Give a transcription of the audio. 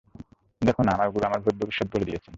দেখ না, আমার গুরু আমার ভূত-ভবিষ্যৎ বলে দিয়েছিলেন।